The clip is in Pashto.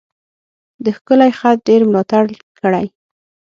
د ښکلی خط ډیر ملاتړ کړی و.